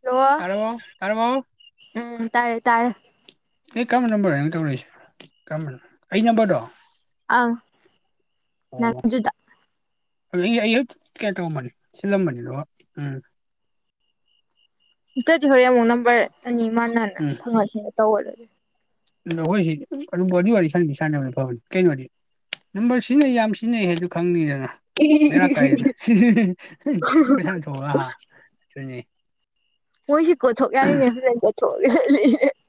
Hello ꯇꯥꯔꯕꯣ ꯇꯥꯔꯕꯣ꯫ ꯎꯝ ꯇꯥꯔꯦ ꯇꯥꯔꯦ꯫ ꯑꯦ ꯀꯔꯝꯕ ꯅꯝꯕꯔ ꯑꯩꯉꯣꯟ ꯇꯧꯔꯛꯏꯁꯦ ꯀꯔꯝꯕꯅꯣ ꯑꯩ ꯅꯝꯕꯔꯗꯣ꯫ ꯑꯥ ꯑꯣ ꯅꯟꯖꯨꯗꯥ꯫ [unintelligible] ꯁꯤꯜꯂꯝꯕꯅꯤ ꯗꯨꯒ ꯎꯝ꯫ ꯏ ꯀꯗꯤ ꯍꯧ ꯌꯥꯝ ꯃꯨꯅ ꯅꯝꯕꯔ ꯑꯅꯤ ꯃꯥꯟꯅꯅ ꯎꯝ ꯑꯗꯣ ꯊꯥꯡꯒꯅ ꯇꯧꯍꯠꯂꯒꯦ ꯑꯩꯈꯣꯏꯁꯤ ꯑꯗꯨ ꯋꯥꯔꯤ ꯁꯥꯟꯅꯗꯤꯤ ꯁꯥꯟꯅꯕꯅ ꯐꯕꯅꯤ ꯀꯩꯅꯣꯗꯤ ꯅꯝꯕꯔ ꯁꯤꯖꯤꯟꯅꯩ ꯌꯥꯝ ꯁꯤꯖꯤꯟꯅꯩ ꯍꯥꯏꯗꯨ ꯈꯪꯉꯤꯗꯅ ꯃꯦꯔꯥ ꯀꯥꯏꯗꯅ ꯄꯩꯁꯥ ꯊꯣꯛ ꯆꯨꯅꯤꯦ ꯃꯣꯏꯁꯤ ꯀꯣꯠꯊꯣꯛ ꯌꯥꯔꯤꯅꯦ ꯐꯖꯅ ꯀꯣꯊꯣꯛꯑꯦ [unintelligible]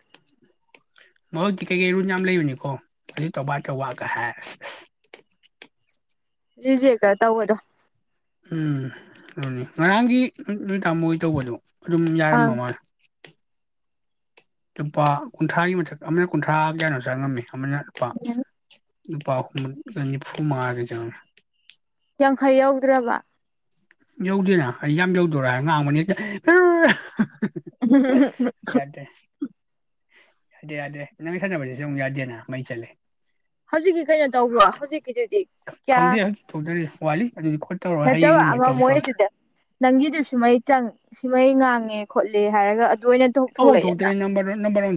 ꯃꯍꯖꯤꯛꯇꯤ ꯀꯩꯀꯩ ꯔꯨꯠ ꯌꯥꯝ ꯂꯩꯕꯅꯤꯀꯣ ꯑꯗꯨ ꯇꯕꯥ ꯇꯧꯕꯕꯥꯒ ꯍꯥꯏ ꯑꯁ ꯑꯁ ꯁꯤꯑꯒ ꯇꯧꯧꯕꯗꯣ ꯎꯝ ꯑꯗꯨꯅꯤ ꯉꯔꯥꯡꯒꯤꯠ ꯅꯨꯃꯤꯠ ꯇꯥꯃꯣꯣꯏ ꯇꯧꯕꯗꯣ ꯑꯗꯨꯝ ꯌꯥꯔꯝꯕ ꯑꯪ ꯃꯥ ꯂꯨꯄꯥ ꯀꯨꯟꯊ꯭ꯔꯥꯒꯤ ꯃꯊꯛ ꯑꯃꯅ ꯀꯨꯟꯊ꯭ꯔꯥ ꯀꯌꯥꯅꯣ ꯆꯪꯉꯝꯃꯦ ꯅꯅꯄꯥꯥ ꯅꯨꯄꯥꯨꯝꯅꯤꯐꯨ ꯃꯥꯒꯦ ꯆꯉ ꯇꯪꯈꯩ ꯌꯥꯎꯗ꯭ꯔꯕ ꯌꯧꯗꯦꯅ ꯑꯩ ꯌꯥꯝ ꯌꯧꯗꯣꯔꯣ ꯍꯥꯏ ꯉꯥꯡꯕꯅꯤ ꯌꯥꯗ꯭ꯔꯦ [unintelligible] ꯌꯥꯗꯦ ꯌꯥꯗꯦ ꯅꯪꯒꯤ ꯁꯥꯟꯅꯕꯁꯤꯁꯨ ꯑꯃꯨꯛ ꯌꯥꯗꯦꯅ ꯃꯩ ꯆꯠꯂꯦ ꯍꯧꯖꯤꯛꯀꯤ ꯀꯩꯅꯣ ꯇꯧꯕ꯭ꯔꯣ ꯍꯧꯖꯤꯛꯀꯤꯗꯨꯗꯤ ꯀꯌꯥ ꯋꯥꯂꯤ ꯑꯗꯨꯗꯤ ꯈꯣꯠꯇꯧꯔꯣꯏ ꯍꯌꯦꯡꯣꯏ ꯃꯃꯣꯏ ꯑꯗꯨꯗ ꯅꯪꯒꯤꯗꯨꯁꯨ ꯃꯩ ꯆꯪꯉ ꯁꯤꯃꯩ ꯉꯥꯡꯉꯦ ꯈꯣꯠꯂꯦ ꯍꯥꯏꯔꯒ ꯑꯣꯏꯅ ꯍ ꯍ ꯊꯣꯛꯂꯛꯑꯦꯅ ꯍꯧꯣꯏ꯭ꯦꯔꯤ ꯅꯝꯕꯔ ꯅꯝꯕꯔ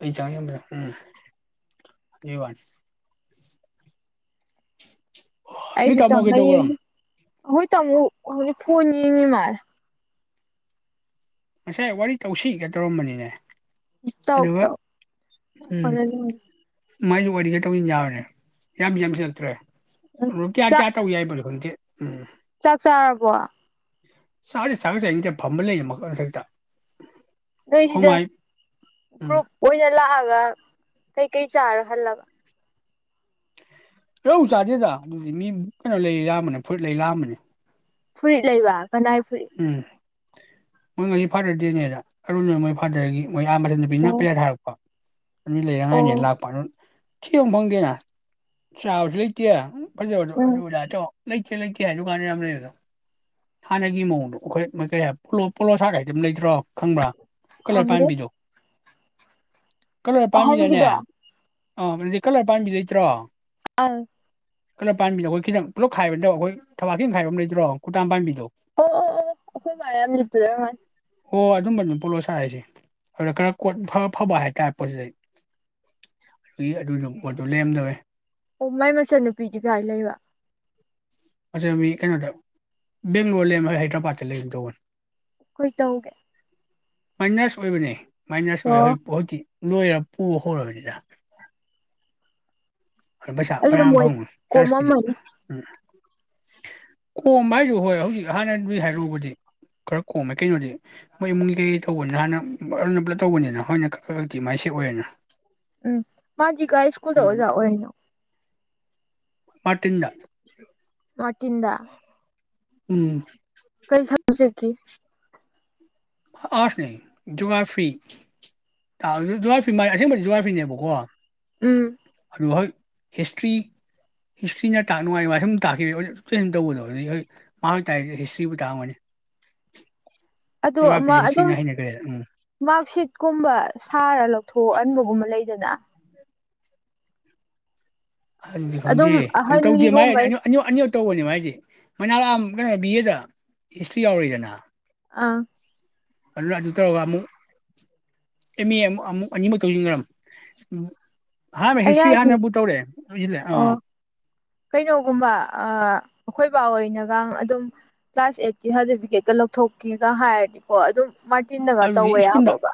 ꯋꯥꯟ ꯆ ꯌꯥꯝ ꯎꯝ ꯅꯣꯏ ꯑꯩꯁꯨ ꯇꯥꯃꯣ ꯆꯪꯉ ꯀꯩꯗꯧꯒ꯭ꯔꯝ ꯍꯣꯏ ꯇꯨꯛ ꯍꯧ ꯐꯅꯤꯉ ꯃꯔ ꯉꯁꯥꯏ ꯋꯥꯔꯤ ꯇꯧꯁꯤꯒꯦ ꯇꯧꯔꯝꯕꯅꯤꯅꯦ ꯑꯗꯨꯒ ꯎꯛꯇꯛꯇ ꯎꯝ ꯃꯥꯏꯁꯨ ꯋꯥꯔꯤ ꯆꯠꯇꯧꯕꯅꯤ ꯌꯥꯎꯕꯅꯦ ꯌꯥꯝ ꯌꯥꯝꯁꯨ ꯅꯠꯇ꯭ꯔꯦ ꯔꯨ ꯀꯌꯥ ꯆꯥ ꯀꯌꯥ ꯇ ꯎ ꯌꯥꯏ ꯃꯔꯔꯦ ꯐꯣꯟꯗꯤ ꯎꯝ ꯆꯥꯛ ꯆꯥꯔꯕꯣ ꯆꯥꯛꯁ ꯆꯥꯁꯦꯁ ꯐꯝꯕ ꯂꯩꯌꯦ ꯃꯈꯜ ꯃꯊꯛꯇ ꯅꯣꯏꯁꯤꯗ ꯍꯣꯃꯥꯏ ꯎꯝ ꯒ꯭ꯔꯨꯞ ꯑꯣꯏꯅ ꯂꯥꯛꯑꯒ ꯀꯩꯀꯩ ꯆꯥꯔꯣ ꯍꯜꯂꯕ ꯔꯧ ꯆꯥꯗꯦꯗ ꯑꯗꯨꯗꯤ ꯃꯤ ꯀꯩꯅꯣ ꯂꯩ ꯂꯥꯛꯑꯝꯕꯅꯦ ꯐꯨꯔꯤꯠ ꯂꯩ ꯂꯥꯛꯑꯝꯕꯅꯦ ꯐꯨꯔꯤꯠ ꯂꯩꯕꯥꯛ ꯅꯥꯏ ꯐꯔꯤ ꯎꯝ ꯃꯣꯏ ꯉꯁꯤ ꯐꯥꯗꯔꯗꯤꯦꯅꯦꯗ ꯑꯔꯨꯅ ꯃꯣꯏ ꯐꯥꯗꯔꯒꯤ ꯣꯏ ꯌꯥꯝ ꯕꯤꯅ ꯑꯣ ꯄꯤꯂꯔꯔꯀꯣ ꯑꯅꯤ ꯂꯩꯅꯉꯥꯏꯅꯦ ꯑꯣ ꯂꯥꯛꯄ ꯑꯗꯨ ꯊ ꯍꯝꯐꯥꯡ ꯀꯦꯅ ꯆꯥꯎꯁ ꯂꯩ ꯀꯦꯌꯥ ꯐꯖꯣꯣ ꯎꯝ ꯑꯗꯨ ꯂ ꯆꯣ ꯂꯩꯇꯦ ꯂꯩꯇꯦ ꯍꯥꯏꯁꯨ ꯀꯥꯟꯗ ꯌꯥꯝ ꯂꯩꯕꯗ ꯍꯥꯟꯅꯒꯤ ꯃꯑꯣꯡ ꯈꯣꯏ ꯄꯣꯠꯂꯣ ꯁꯥꯒꯩꯗꯤ ꯑꯗꯨꯝ ꯂꯩꯇ꯭ꯔꯣ ꯈꯪꯕ꯭ꯔꯥ ꯀꯂꯔ ꯈꯪꯗꯦ ꯄꯥꯏꯝꯕꯤꯗꯨꯣ ꯀꯂꯔ ꯄꯥꯝꯃꯤꯗꯅꯦ ꯑꯍꯟꯒꯤꯗꯣ ꯑꯪ ꯑꯥ ꯑꯗꯨꯗꯤ ꯀꯂꯔ ꯄꯥꯝꯕꯤ ꯂꯩꯇ꯭ꯔꯣ ꯑ ꯀꯂꯔ ꯄꯥꯝꯕꯤꯗ ꯑꯩꯈꯣꯏ ꯈꯤꯇꯪ ꯄꯨꯂꯞ ꯈꯥꯏꯕꯠꯇꯕ ꯑꯩꯈꯣꯏ ꯊꯕꯥꯛꯀꯤꯦꯡ ꯈꯥꯏꯕ ꯑꯃ ꯂꯩꯗ꯭ꯔꯣ ꯈꯨꯨꯇꯥꯟ ꯄꯥꯝꯕꯤꯗꯣ ꯑꯣ ꯑꯣ ꯑꯣ ꯑꯩꯈꯣꯏ ꯔꯦ ꯌꯥꯝ ꯂꯤꯠꯄꯗ ꯉꯜ ꯍꯣꯏ ꯑꯗꯨꯝꯕ ꯑꯗꯨꯝ ꯄꯣꯠꯂꯣ ꯁꯥꯔꯏꯁꯦ ꯑꯗꯨꯗ ꯈꯔ ꯀꯣꯠꯔ ꯐꯕ ꯍꯥꯏꯇꯥꯔꯦ ꯄꯣꯠꯁꯤꯗꯩ ꯑꯗꯨꯒꯤ ꯑꯗꯨꯗ ꯄꯣꯠꯇꯨ ꯂꯩꯔꯝꯗꯋꯦ ꯑꯣ ꯃꯥꯏ ꯃꯆꯟꯅꯨꯄꯤꯗꯤ ꯀꯥꯏ ꯂꯩꯕ ꯃꯤ ꯀꯩꯅꯣꯗ ꯕꯦꯡꯒꯂꯣꯔ ꯂꯩꯔꯝ ꯍꯥꯏꯗ꯭ꯔꯕꯥꯠꯇ ꯂꯩꯔꯝ ꯇꯧꯕꯅꯤ ꯍꯈꯣꯏ ꯇꯧꯒꯦ ꯃꯥꯏꯅꯁ ꯑꯣꯏꯕꯅꯦ ꯃꯥꯏꯅꯁ ꯑꯣꯏ ꯑꯣ ꯍꯣꯏ ꯍꯧꯣꯏꯀꯤ ꯂꯣꯏꯔ ꯄꯨꯨ ꯍꯔꯔ ꯄꯩꯁꯥ ꯑꯗꯨꯅ ꯐꯔꯌꯥꯝ ꯑꯃ ꯃꯣꯏ ꯐꯪꯉꯨ ꯆꯔꯥꯁ ꯀꯦꯖꯤ ꯀꯣꯝꯃꯝꯃꯅꯤ ꯎꯝ ꯀꯣꯝꯕ ꯍꯥꯏꯗꯨ ꯍꯣꯏ ꯍꯧꯖꯤꯛ ꯍꯥꯟꯅꯗꯨ ꯍꯥꯏꯔꯨꯎꯕꯗꯤ ꯈꯔ ꯀꯣꯝꯃꯦ ꯀꯩꯅꯣꯗꯤ ꯃꯣꯏ ꯏꯃꯨꯡꯒꯤ ꯀꯩꯀ ꯇꯧꯕꯅꯤꯅ ꯍꯥꯟꯅ ꯑꯅ ꯄꯨꯂꯞ ꯇꯧꯕꯅꯤꯅ ꯍꯣꯏꯅ ꯈ ꯈꯛꯇꯤ ꯃꯥꯏ ꯁꯦ ꯑꯣꯏꯔꯦꯅ ꯎꯝ ꯃꯥꯖꯤꯒꯥꯏ ꯏꯁ꯭ꯀꯨꯜ ꯊ ꯑꯣꯖ ꯑꯣꯏꯩꯅꯣ ꯃꯥꯇꯗ ꯃꯗ ꯎꯝ ꯀꯩ ꯊꯁꯦ ꯀ ꯑꯥꯔꯁꯅꯦ ꯖꯨꯒꯥ꯭ꯔꯥꯐꯤ ꯖꯨꯒꯥ꯭ꯔꯥꯐꯤ ꯃꯥꯏ ꯑꯁꯦꯡꯕꯗꯤ ꯖꯨꯒꯥ꯭ꯔꯥꯐꯤꯅꯦꯕꯀꯣ ꯎꯝ ꯍꯣꯏ ꯍꯤꯁꯇ꯭ꯔꯤ ꯍꯤꯁꯇ꯭ꯔꯤꯅ ꯇꯥꯛ ꯅꯨꯡꯉꯥꯏ ꯁꯨꯝ ꯇꯥꯛꯈꯤꯕ ꯁꯨꯝ ꯇꯧꯕꯗꯣ ꯑꯗꯨꯩ ꯍꯣꯏ ꯃꯍꯥꯛ ꯇꯗꯤ ꯍꯤꯁꯇ꯭ꯔꯤꯕꯨ ꯇꯥꯛꯑꯝꯒꯅꯤ ꯑ ꯑꯃ ꯖꯤꯑꯣꯒ꯭ꯔꯥꯐꯤꯁꯦ ꯑꯗꯨꯝ ꯍꯤꯁꯇ꯭ꯔꯤꯅ ꯍꯩꯅꯈ꯭ꯔꯦ ꯎꯝ ꯃꯥꯔꯛꯁꯤꯠꯀꯨꯝꯕ ꯁꯥꯔ ꯂꯧꯊꯣꯛ ꯍ ꯑꯟꯕꯒꯨꯝꯕ ꯂꯩꯗꯅ ꯗꯤ ꯑꯗꯨꯝ ꯈꯪꯗꯦ ꯇꯧꯗꯦꯗꯤ ꯑ ꯑꯍꯟꯒꯤꯒꯨꯝꯕꯩ ꯑꯅꯤ ꯇꯧꯕꯅꯦ ꯃꯥꯏꯗꯤ ꯃꯅꯥ ꯀꯩꯅꯣ ꯕꯤ ꯑꯦꯗ ꯍꯤꯁꯇ꯭ꯔꯤ ꯌꯥꯎꯔꯤꯔꯤꯗꯅ ꯑꯥ ꯑꯗꯨꯅ ꯑꯗꯨ ꯇꯧꯔꯒ ꯑꯃꯨꯛ ꯑꯦꯝ ꯑꯦ ꯑꯃ ꯑꯃꯨꯛ ꯑꯅꯤꯃꯨꯛ ꯇꯧꯁꯤꯟꯈ꯭ꯔꯝ ꯑꯍꯥꯟꯕ ꯑꯩ ꯍꯤꯁꯇ꯭ꯔꯤ ꯌꯥꯗꯤ ꯍꯥꯟꯅꯕꯨ ꯇꯧꯔꯦ ꯂꯣꯏꯁꯤꯜꯂꯦ ꯑꯣ ꯑꯥ ꯀꯩꯅꯣꯒꯨꯝꯕ ꯑ ꯑꯩꯈꯣꯏ ꯕꯥ ꯍꯅꯒ ꯑꯗꯨꯝ ꯀ꯭ꯂꯥꯁ ꯑꯩꯠꯀꯤ ꯁꯥꯔꯇꯤꯐꯤꯀꯦꯠꯀ ꯂꯧꯊꯣꯛꯀꯦꯒ ꯍꯥꯏꯔꯗꯤꯀꯣ ꯑꯗꯨꯝ ꯃꯥꯔꯇꯤꯟꯗꯒ ꯇꯧꯕꯦ ꯑꯗꯨꯗꯤ ꯁ꯭ꯀꯨꯜꯗ ꯌꯥꯕꯕꯥ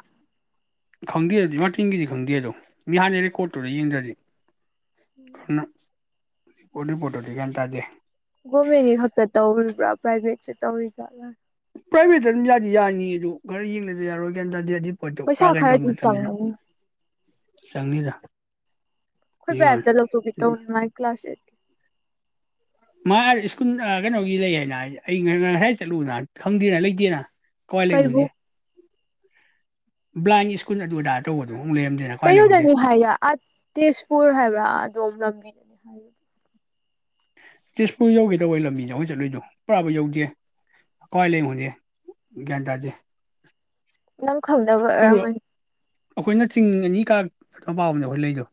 ꯈꯪꯗꯦ ꯑꯗꯨꯗꯤ ꯃꯇꯒꯤꯗꯤ ꯈꯪꯗꯦ ꯑꯗꯣ ꯃꯤ ꯍꯥꯟꯅꯩ ꯔꯦꯀꯣꯔꯠꯇꯨꯗ ꯌꯦꯡꯗ꯭ꯔꯗꯤ ꯈ ꯔꯤꯄꯣ ꯔꯤꯄꯣꯔꯠꯣꯗꯤ ꯀꯟ ꯇꯥꯖꯦ ꯒꯣꯔꯃꯦꯟꯒꯤ ꯈꯛꯇ ꯇꯧꯔꯤꯕ꯭ꯔꯥ ꯄ꯭ꯔꯥꯏꯚꯦꯠꯁꯦ ꯇꯧꯔꯤꯖꯠꯂ ꯄ꯭ꯔꯥꯏꯚꯦꯠꯇ ꯑꯗꯨꯝ ꯌꯥꯗꯤ ꯌꯥꯅꯤ ꯑꯗꯨ ꯈꯔ ꯌꯦꯡꯅꯗꯤ ꯌꯥꯔꯣꯏ ꯀ ꯍꯥꯏ ꯇꯔꯗꯤ ꯑꯗꯨꯝ ꯀꯣꯏ ꯄꯩꯁꯥ ꯄꯨꯔꯥ ꯀꯩꯅꯣ ꯇꯧꯕ ꯈꯔꯗꯤ ꯅꯠꯇꯅꯤꯅ ꯆꯪꯉꯅꯤ ꯆꯪꯅꯤꯗ ꯑꯩꯈꯣꯏ ꯑꯗꯨꯏ ꯋꯥꯅꯤ ꯃꯌꯥꯝꯝꯇ ꯂꯧꯊꯣꯛꯈꯤ ꯇꯧꯅꯤ ꯃꯒꯤ ꯀ꯭ꯂꯥꯁꯦ ꯃꯥ ꯁ꯭ꯀꯨꯜ ꯀꯩꯅꯣꯒꯤ ꯂꯩ ꯍꯥꯏꯅ ꯑꯩ ꯉꯁꯥꯏ ꯆꯠꯂꯨꯅ ꯈꯪꯗꯦꯅ ꯂꯩꯇꯦꯅ ꯀꯣꯏꯂꯦ ꯀꯩꯕꯨ ꯕ꯭ꯂꯥꯏꯟ ꯁ꯭ꯀꯨꯜ ꯑꯗꯨ ꯑꯗꯥ ꯇꯧꯕꯗꯣ ꯑꯃꯨꯛ ꯂꯩꯔꯝꯗꯦꯅ ꯀꯋꯥꯏ ꯂꯩ ꯈꯪꯗꯦ ꯀꯩꯅꯣꯗꯅꯤ ꯍꯥꯏꯌꯦ ꯑꯥ ꯇꯦꯖꯄꯨꯔ ꯍꯥꯏꯕ꯭ꯔꯥ ꯑꯗꯣꯝ ꯂꯝꯕꯤ ꯅꯤ ꯍꯥꯏꯕꯒ ꯇꯁꯄꯨꯔ ꯌꯧꯒꯦꯗꯧꯕꯩ ꯂꯝꯕꯤꯗꯣ ꯑꯩꯈꯣꯏ ꯆꯠꯂꯨꯏꯗꯣ ꯄꯨꯔꯥꯕꯨ ꯌꯧꯗꯦ ꯀꯋꯥꯏ ꯂꯍꯨꯗꯦ ꯒ꯭ꯌꯥꯟ ꯇꯥꯗꯦ ꯅꯪ ꯈꯪꯗ ꯇꯧꯕ ꯑꯩꯈꯣꯏꯅ ꯆꯤꯡ ꯑꯅꯤ ꯀꯥ ꯄꯥꯕꯅꯦ ꯑꯩꯈꯣꯏ ꯂꯩꯗꯣ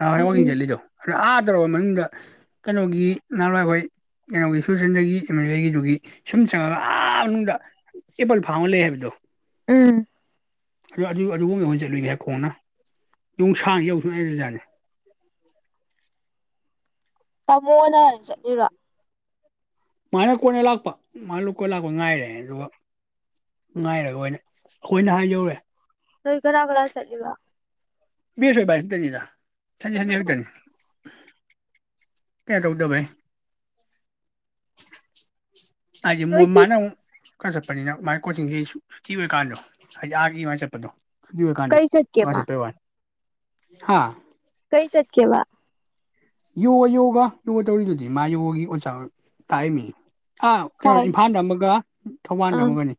ꯑ ꯍꯣꯏꯉ ꯎꯝ ꯆꯠ ꯂꯤꯗꯣ ꯑꯗꯣ ꯑꯥ ꯇꯧꯔꯕ ꯃꯅꯨꯡꯗ ꯀꯩꯅꯣꯒꯤ ꯅꯍꯥꯟꯋꯥꯏ ꯑꯩꯈꯣꯏ ꯀꯩꯅꯣꯒꯤ ꯁꯨꯆꯟꯗꯒꯤ ꯑꯃꯗꯤꯒꯤꯗꯨꯒꯤ ꯁꯨꯝ ꯆꯪꯉꯒ ꯑꯥ ꯃꯅꯨꯡꯗ ꯑꯦꯄꯜ ꯐꯥꯝ ꯑꯃ ꯂꯩ ꯍꯥꯏꯕꯗꯣ ꯎꯝ ꯑꯗꯨ ꯑꯗꯨꯡꯟꯦ ꯏꯅꯦ ꯍꯥꯏ ꯈꯣꯡꯅ ꯌꯣꯡ ꯁꯥꯡ ꯌꯧꯁꯨ ꯑꯩꯖꯥꯠꯅꯤ ꯀꯃꯣꯅ ꯆꯠꯔ ꯃꯥꯅ ꯀꯣꯟꯅ ꯂꯥꯛꯄ ꯃꯥꯅ ꯂꯣꯏꯅ ꯂꯥꯛꯄ ꯉꯥꯏꯔꯦ ꯑꯗꯨꯒ ꯉꯥꯏꯔꯒ ꯑꯣꯏꯅ ꯑꯩꯈꯣꯏꯅ ꯍꯥꯏ ꯌꯧꯔꯦ ꯔꯍꯤ ꯈꯔ ꯈꯔ ꯆꯠꯂꯤꯕ ꯃꯤꯁꯥꯏꯁꯇꯔꯤꯗ ꯆꯪ ꯍꯅꯤ ꯍꯣꯏꯇꯅꯤ ꯀꯌꯥ ꯇꯧꯗꯚꯥꯏ ꯑ ꯅꯣꯏ ꯃꯥꯅ ꯈꯔ ꯆꯠꯄꯅꯤꯅ ꯃꯥꯒꯤ ꯀꯣꯆꯤꯡꯁꯤꯦ ꯁꯨꯇꯤ ꯑꯣꯏꯕꯀꯥꯟꯗꯣ ꯍꯥꯏꯗꯤ ꯑꯥꯒꯤ ꯑꯗꯨꯃꯥꯏꯅ ꯆꯠꯄꯗꯣ ꯦ ꯀꯩ ꯆꯠꯀꯦ ꯀꯨ ꯑ ꯃꯥ ꯁꯄꯚꯅꯤ ꯍꯥꯥ ꯀꯩ ꯆꯠꯀꯦꯕ ꯌꯣꯒ ꯌꯣꯒ ꯌꯣꯒ ꯇꯧꯔꯤꯗꯨꯗꯤ ꯃꯥ ꯌꯣꯒꯒꯤ ꯑꯣꯖꯥ ꯇꯥꯛꯔꯝꯃꯤ ꯑꯥ ꯀꯩꯅꯣ ꯈꯥꯏ ꯏꯝꯐꯥꯜꯗ ꯑꯃꯒ ꯊꯧꯕꯥꯟ ꯗ ꯑꯥ ꯑꯃꯒꯅꯤ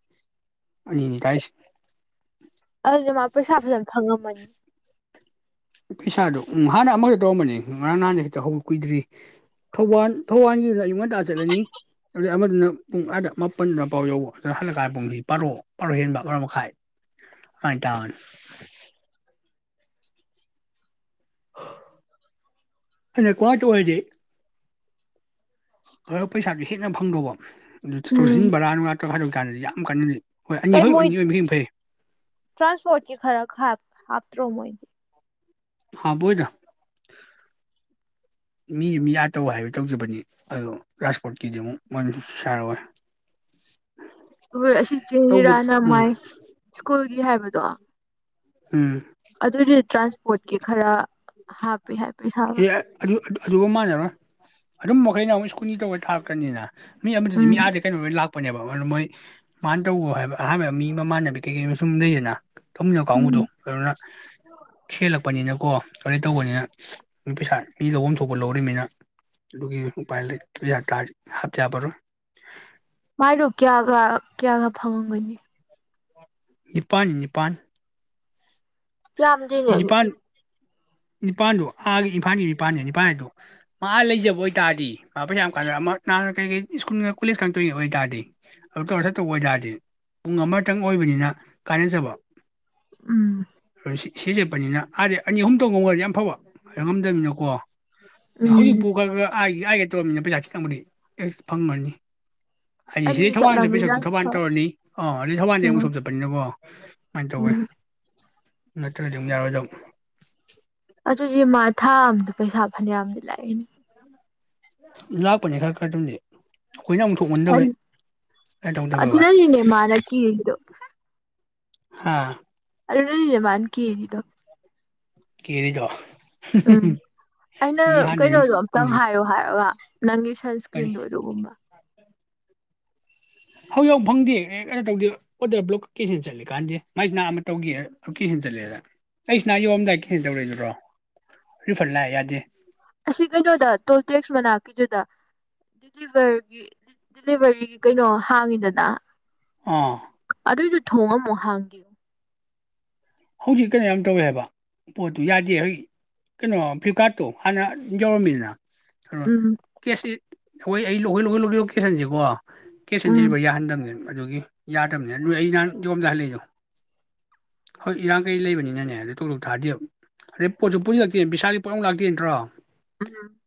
ꯑꯅꯤꯅꯤ ꯀꯥꯏꯁꯤ ꯑꯗꯨꯗꯤ ꯃꯥ ꯄꯩꯁꯥ ꯐꯖꯅ ꯈꯪꯉꯝꯃꯅꯤ ꯄꯩꯁꯥꯗꯨ ꯎ ꯍꯥꯟꯅ ꯑꯃꯈ ꯇꯧꯔꯝꯕꯅꯤ ꯉꯔꯥꯡ ꯅꯍꯥꯟꯗ ꯍꯦꯛꯇ ꯍꯧꯖꯤꯛ ꯀꯨꯏꯗ꯭ꯔꯤ ꯊꯧꯕꯥꯟ ꯊꯧꯕꯥꯟ ꯒꯤꯗꯨꯅ ꯑꯌꯨꯛ ꯉꯟꯇꯥ ꯆꯠꯂꯅꯤ ꯑꯗꯨꯩ ꯑꯃꯗꯨꯅ ꯄꯨꯡ ꯑꯗ ꯃꯥꯄꯟꯗ ꯄꯥꯎ ꯌꯧꯕ ꯑꯗꯨꯗ ꯍꯜꯂꯛꯀꯥꯟꯗ ꯄꯨꯡꯁꯤ ꯄꯥꯔꯣ ꯄꯥꯔꯣ ꯍꯦꯟꯕ ꯄꯔ ꯃꯈꯥꯏ ꯑꯗꯨꯃꯥꯏꯅ ꯇꯥꯕꯅꯤ ꯑꯅꯛꯄ ꯉꯥꯛꯇꯥ ꯑꯣꯏꯔꯗꯤ ꯈꯔꯥ ꯄꯩꯁꯥꯥꯗꯨ ꯍꯦꯟꯅ ꯐꯪꯗꯧꯕ ꯑꯗꯨ ꯎꯝ ꯆꯠꯊꯣꯛꯁꯤꯟ ꯕꯥꯔꯥ ꯅꯨꯡꯂꯥ ꯗꯧ ꯇꯥꯅꯗꯤ ꯌꯥꯝ ꯀꯥꯟꯅꯩ ꯀꯩ ꯃꯣꯏ ꯇ꯭ꯔꯥꯟꯁꯄꯣꯔꯠꯀꯤ ꯈꯔ ꯍꯥꯞꯇ꯭ꯔꯣ ꯃꯣꯏꯗꯤ ꯍꯥꯞ ꯄꯣꯏꯗꯥ [unintelligible] ꯃꯤ ꯃꯤ ꯌꯥꯠꯇꯧ ꯍꯥꯏꯕ ꯇꯧꯖꯕꯅꯤ ꯑꯗꯣ ꯔꯥꯁꯄꯣꯔꯠꯀꯤꯗꯤ ꯑꯃꯨꯛ ꯃꯔꯝ ꯁꯥꯔꯑꯣꯣꯏ ꯍꯣꯏ ꯑꯁꯤ ꯏꯔꯥ ꯎꯝ ꯅꯃꯥꯏ ꯁ꯭ꯀꯨꯜꯒꯤ ꯍꯥꯏꯕꯗꯣ ꯎꯝ ꯑꯗꯨꯗꯤ ꯇ꯭ꯔꯥꯟꯁꯄꯣꯔꯠꯀꯤ ꯈꯔꯥ ꯍꯥ ꯍ ꯑꯗꯨ ꯑꯗꯨꯒꯥ ꯃꯥꯅꯦꯔꯣꯏ ꯑꯗꯨꯝ ꯃꯈꯩꯅ ꯑꯃꯨꯛ ꯁ꯭ꯀꯨꯜꯒꯤ ꯇꯧꯕꯩ ꯊꯥꯛꯀ꯭ꯔꯅꯤꯅ ꯃꯤ ꯑꯃꯗꯨꯗꯤ ꯃꯤ ꯎꯝ ꯑꯥꯗꯩꯩ ꯀꯩꯅꯣ ꯑꯣꯏꯅꯥ ꯂꯥꯛ ꯄꯄꯅꯦꯕ ꯑꯗꯨꯅ ꯃꯣꯏ ꯃꯥꯅ ꯇꯧꯕ ꯍꯥꯏꯕ ꯑꯍꯥꯟꯕ ꯃꯤ ꯃꯃꯥꯟꯅꯕꯤ ꯀꯩꯀꯩ ꯑꯃ ꯁꯨꯝ ꯂꯩꯗꯅ ꯇꯧꯃꯤꯅꯣ ꯎꯝ ꯀꯥꯡꯕꯨꯗꯣ ꯑꯗꯨꯅ ꯍꯦꯜꯂꯛꯄꯅꯤꯅꯀꯣ ꯀꯔꯤ ꯇꯧꯕꯅꯤꯅ ꯄꯩꯁꯥ ꯃꯤ ꯂꯧꯍꯐꯝ ꯊꯣꯛꯄ ꯂꯧꯔꯤꯕꯅꯤꯅ ꯑꯗꯨꯒꯤ ꯎꯄꯥꯏ ꯄꯩꯁꯥ ꯇ ꯍꯥꯞꯆꯕꯔꯣꯏ ꯃꯣ ꯀꯒ ꯀꯌꯥꯒ ꯐꯪꯉꯝꯒꯅꯤ ꯅꯤꯄꯥꯟ ꯅꯤ ꯅꯤꯄꯥꯟ ꯌꯥꯝꯗꯦꯅꯦ ꯑꯗꯨ ꯅꯤꯄꯥꯜꯗꯣ ꯑꯥꯒꯤ ꯏꯝꯐꯥꯜꯒꯤ ꯅꯤꯄꯥꯜꯗ ꯅꯤꯄꯥꯜꯗ ꯃꯥ ꯂꯩꯖꯕ ꯑꯣꯏ ꯇꯥꯔꯗꯤ ꯃꯥ ꯄꯩꯁꯥ ꯌꯥꯝ ꯀꯥꯟ ꯅꯍꯥꯟ ꯀꯩꯀꯩ ꯁ꯭ꯀꯨꯜ ꯀꯣꯂꯦꯖ ꯈꯇꯣꯏꯔꯤꯩ ꯑꯣꯏꯕ ꯇꯥꯔꯗꯤ ꯑꯗꯨ ꯇꯧꯔ ꯁ ꯇꯧꯕ ꯑꯣꯏ ꯇꯥꯔꯗꯤ ꯄꯨꯡ ꯑꯃꯇꯪ ꯑꯣꯏꯕꯅꯤꯅ ꯀꯥꯟꯅꯖꯕ ꯎꯝ ꯁꯤ ꯁꯤ ꯆꯠꯄꯅꯤꯅ ꯑꯥꯗꯤ ꯑꯅꯤ ꯑꯍꯨꯝ ꯊꯣꯛꯧ ꯉꯝ ꯑꯣꯏꯣꯏꯗꯤ ꯌꯥꯝ ꯐꯕ ꯉꯝꯗꯅꯤꯅꯀꯣ ꯍꯧꯖꯤ ꯎꯝ ꯄꯨ ꯒꯔꯥ ꯒꯔꯥ ꯑꯥꯏ ꯏ ꯌꯥꯏꯒꯦ ꯇꯧꯔꯕꯃꯤꯅ ꯄꯩꯁꯥ ꯈꯤꯇꯪꯕꯨꯗꯤ ꯑꯦ ꯐꯪꯝꯃꯅꯤ ꯍꯥꯏꯗꯤ ꯑꯅꯤ ꯁꯤꯗꯩ ꯊꯧꯕꯥꯜ ꯑꯃ ꯆꯠꯄ ꯆꯠꯂꯝꯅꯤꯅ ꯁꯛꯇꯨ ꯊꯧꯕꯥꯜ ꯍꯣꯏ ꯇꯧꯔꯅꯤ ꯑꯥ ꯑꯗꯨꯩ ꯊꯧꯕꯥꯜꯁꯦ ꯎꯝ ꯑꯃꯨꯛꯁꯨ ꯆꯠꯄꯅꯤꯅꯀꯣ ꯑꯗꯨꯨꯃꯥꯏꯅ ꯇꯧꯋꯦ ꯎꯝ ꯅꯠꯇꯅꯗꯤ ꯑꯃꯨꯛ ꯌꯥꯔꯣꯏꯗꯕ ꯑꯗꯨꯗꯤ ꯃꯥ ꯊꯥꯑꯝꯗ ꯄꯩꯁꯥ ꯐꯅꯌꯥꯝꯗꯤ ꯂꯥꯛꯏ ꯂꯥꯛꯄꯅꯤ ꯈꯔ ꯀꯇꯗꯤ ꯑꯩꯈꯣꯏꯅ ꯑꯃꯨꯊꯣꯛꯍꯟꯗꯕꯩ ꯀꯥꯏ ꯇꯧꯗꯕ ꯕꯥ ꯑꯗꯨꯅꯅꯤꯅꯦ ꯃꯥꯅ ꯀꯤꯔꯤꯗꯣ ꯍꯥꯥ ꯑꯗꯨ ꯅꯅꯤꯅꯦꯕꯅꯤ ꯀ ꯑꯦꯅꯤꯗꯣ ꯀꯔꯤꯗ ꯎꯝ ꯑꯩꯅ ꯑꯗꯨꯝ ꯀꯩꯅꯣꯗꯣ ꯑꯝꯇꯪ ꯎꯝ ꯍꯥꯏꯌꯣ ꯍꯥꯏꯔꯒ ꯀꯔꯤ ꯅꯪꯒꯤꯁꯜꯁꯀꯤꯟ ꯑꯣꯏ ꯑꯗꯨꯒꯕ ꯍꯧ ꯌꯥꯧ ꯐꯪꯗꯦ ꯑꯦ ꯀꯩꯅꯣ ꯇꯧꯗꯦ ꯑꯣꯗꯔ ꯀꯦꯟꯁꯦꯜ ꯆꯠꯂ ꯀꯥꯟꯗꯦ ꯃꯥꯏꯁꯤꯅꯥ ꯑꯃ ꯇꯧꯒꯦ ꯀꯦꯟꯁꯟ ꯆꯠꯂꯦꯗ ꯑꯩꯁꯤ ꯅꯥ ꯌꯧꯑꯝꯗꯥꯏꯗ ꯀꯦꯟꯁꯦꯜ ꯇꯧꯔꯛꯏꯗꯨꯔꯣ ꯔꯤꯐꯟ ꯂꯥꯛꯑꯦ ꯌꯥꯗꯦ ꯑꯁꯤ ꯂꯤꯚꯔꯒꯤ ꯗꯗꯤꯂꯤꯚꯔꯤꯒꯤ ꯀꯩꯅꯣ ꯍꯥꯡꯉꯤꯗꯅ ꯑꯥ ꯊꯣꯡꯉꯝꯣ ꯍꯥꯡꯒꯦꯨ ꯍꯧꯖꯤꯛ ꯀꯩꯅꯣ ꯌꯥꯝ ꯇꯧꯋꯦ ꯍꯥꯏꯕ ꯄꯣꯠꯇꯨ ꯌꯥꯗꯦ ꯍꯧꯖꯤꯛ ꯀꯩꯅꯣ ꯐ꯭ꯂꯤꯞꯀꯥꯔꯠꯇꯣ ꯍꯥꯟꯅ ꯌꯧꯔꯝꯃꯤꯗꯅ ꯍ ꯎꯝ ꯀꯁꯤ ꯑꯩꯈꯣꯏ ꯑꯩ ꯂꯣꯏ ꯂꯈꯣꯏ ꯂꯧꯒꯦ ꯂꯣꯀꯦꯟꯁꯤꯀꯣ ꯀꯁ ꯑꯣꯟ ꯎꯝ ꯗꯗꯤꯦꯂꯤꯚꯔꯤꯌꯥ ꯍꯗꯪꯅ ꯑꯗꯨꯒꯤ ꯌꯥꯗꯕꯅꯤ ꯑꯗꯨ ꯑꯩ ꯅꯍꯥꯟ ꯌꯣꯝꯗ ꯍꯜꯂꯛꯏꯗꯣ ꯍꯣꯏ ꯏꯔꯥꯡ ꯀꯩ ꯂꯩꯕꯅꯤꯅꯅꯦ ꯑꯗꯨꯣ ꯇꯣꯂꯣꯣꯛ ꯊꯥꯗꯦꯕ ꯑꯗꯩ ꯄꯣꯠꯁꯨ ꯄꯨꯟꯁꯤꯜꯂꯛꯇꯦ ꯄꯩꯁꯥꯗꯤ ꯄꯣꯠꯅꯃꯛ ꯂꯥꯛꯇꯦ ꯅꯠꯇ꯭ꯔꯣ ꯎꯝ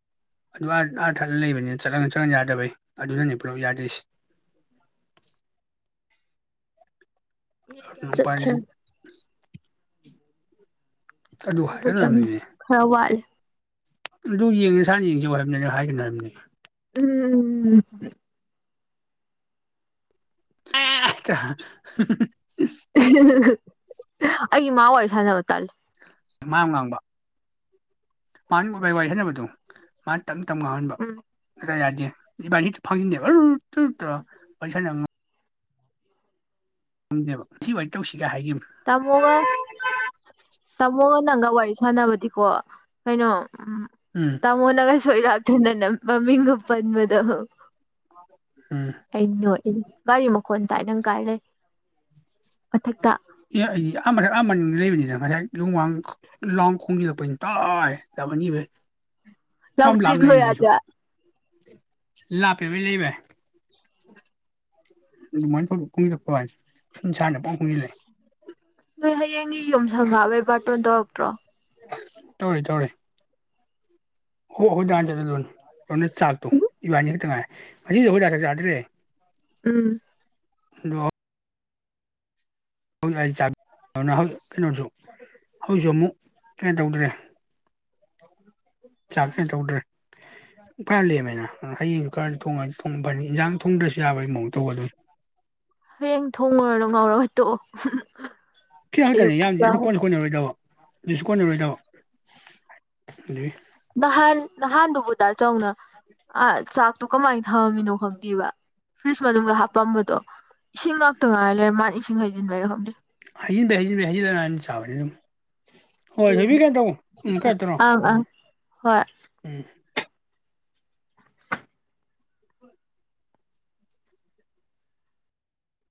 ꯑꯗꯨ ꯑꯥꯔꯊꯠ ꯂꯩꯕꯅꯤꯅ ꯆꯠꯉ ꯆꯠꯉ ꯌꯥꯗꯕꯩ ꯑꯗꯨꯅꯅꯤ ꯄꯨꯂꯞ ꯌꯥꯗꯔꯤꯁꯦ ꯃꯤ ꯌꯥꯥ ꯆꯠꯈꯦꯝ ꯎ ꯑꯗꯨ ꯈꯔ ꯆ ꯍꯥꯏꯒꯠꯅꯔꯝꯅꯤꯅꯦ ꯈꯔ ꯋꯥꯜ ꯑꯗꯨ ꯌꯦꯡ ꯁꯥꯥꯅ ꯌꯦꯡꯁꯤ ꯋꯥ ꯍꯥꯏꯕꯅꯤꯅ ꯍꯥꯏꯒꯅꯤ ꯍꯥꯏꯕꯅꯤ ꯎꯝ ꯑꯦꯆꯥ ꯎ ꯑꯩ ꯏꯃꯥ ꯑꯣꯏꯏ ꯁꯥꯟꯅꯕꯇꯜ ꯃ ꯉꯥꯡꯕ ꯃꯥꯅꯥꯏ ꯋꯥꯔꯤ ꯍꯥꯏꯅꯕꯗꯣ ꯃꯥꯅ ꯇ ꯃꯇꯝ ꯉꯥꯡꯍꯟꯕ ꯎꯝ ꯀꯇ ꯌꯥꯗꯦ ꯕꯥꯔ ꯐꯥꯉꯗꯕ ꯇ ꯄꯩꯁꯥ ꯅꯪ ꯈꯪꯗꯦꯕ ꯁꯤ ꯥꯏꯅ ꯇꯧꯁꯤ ꯇꯃꯒ ꯇꯃꯣꯒ ꯅꯪꯒ ꯋꯥꯏꯁ ꯐꯅꯕꯗꯤꯀꯣ ꯀꯩꯅꯣ ꯎꯝ ꯎꯝ ꯇꯃꯣꯅꯪꯒ ꯁꯣꯏꯔꯥꯛ ꯅꯅ ꯃꯃꯤ ꯑꯄꯥꯕꯗꯣ ꯎꯝ ꯈꯣꯟ ꯇꯥꯏꯅꯪ ꯀꯥꯏ ꯂꯩ ꯃꯊꯛꯇ ꯑꯦ ꯏ ꯑ ꯉꯁꯥꯏ ꯑ ꯂꯩꯕꯅꯤꯅ ꯉꯁꯥꯏ ꯂꯨꯃꯥꯡ ꯂꯣꯡ ꯈꯣꯡꯖꯤꯜꯂꯛꯄꯅꯤ ꯇꯥꯏ ꯇꯕꯅꯤꯕ ꯂ ꯍ ꯌꯥꯖ ꯂꯥꯛꯄꯦꯃꯤ ꯂꯩꯕꯏ ꯃ ꯀꯃꯤ ꯆꯛꯇꯅꯤ ꯅꯣꯏ ꯍꯌꯦꯡꯒꯤ ꯌꯨꯝ ꯁꯪꯉꯋꯦ ꯕꯠ ꯗꯛꯇ꯭ꯔꯣ ꯑꯣ ꯍꯣꯏꯗꯥ ꯆꯠꯗꯣꯏꯅꯣꯅ ꯆꯥꯛꯇꯣ ꯏꯕꯥꯅꯤ ꯈꯛꯇ ꯉꯥꯏ ꯉꯁꯤꯗꯤ ꯑꯩ ꯍꯣꯏꯗ ꯆ ꯆꯥꯗ꯭ꯔꯦ ꯎꯝ [unintelligible] ꯑꯩ ꯍ ꯀꯩꯅꯣꯁꯨ ꯍꯧꯖꯤꯛꯁꯨ ꯑꯃꯨꯛ ꯀꯩꯅ ꯇꯧꯗ꯭ꯔꯦ ꯆꯥꯛꯈꯦ ꯇꯧꯗ꯭ꯔꯦ ꯐꯜꯂꯤꯃꯦꯅ ꯍꯌꯦꯡꯁꯨꯀꯥꯟ ꯣꯡꯉ ꯊꯣꯡ ꯐꯅꯤ ꯏꯟꯖꯥꯡ ꯊꯣꯡꯗ꯭ꯔꯁꯨ ꯌꯥꯕꯒꯤ ꯃꯑꯣꯡ ꯇꯧꯕ ꯑꯗꯨꯝ ꯍꯌꯦꯡ ꯊꯣꯡꯉꯨꯔꯅ ꯉꯥꯎꯔꯒ ꯇꯣ ꯊꯤ ꯈꯛꯇꯅꯤ ꯌꯥꯝꯗꯦ ꯑꯗꯨ ꯀꯣꯟꯅꯁꯨ ꯀꯣꯟꯅꯔꯣꯏꯗꯕ ꯑꯗꯨꯁꯨ ꯀꯣꯟꯅꯔꯣꯏꯗꯕ ꯑꯗꯨ ꯅꯍꯥꯟ ꯅꯍꯥꯟꯗꯨꯨꯕꯨꯗ ꯆꯧꯅ ꯑ ꯆꯥꯛ ꯑꯗꯨ ꯀꯃꯥꯏꯅ ꯊꯝꯃꯝꯃꯤꯅꯣ ꯈꯪꯗꯦꯕ ꯐ꯭ꯔꯤꯖ ꯃꯅꯨꯡꯗ ꯍꯥꯞꯄꯝꯕꯗꯣ ꯏꯁꯤꯡ ꯉꯥꯛꯇ ꯉꯥꯏꯔ ꯂꯩꯔꯦ ꯃꯥꯅ ꯏꯁꯤꯡ ꯍꯩꯖꯤꯟꯕꯔ ꯈꯪꯗꯦ ꯍꯖꯤꯕꯩꯖꯤꯟꯕ ꯍꯖꯤꯟꯥꯏꯅ ꯆ ꯁꯥꯕꯅꯤ ꯑꯗꯨꯝ ꯂꯣꯏꯔꯦꯍꯦ ꯍꯣꯏꯁꯕꯤ ꯀꯩ ꯇ ꯎꯝ ꯀꯩꯇ꯭ꯔꯣ ꯑꯪ ꯎꯝ ꯑꯪ ꯍꯣꯏ ꯎꯝ